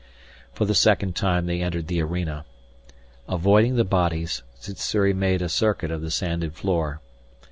For the second time they entered the arena. Avoiding the bodies, Sssuri made a circuit of the sanded floor.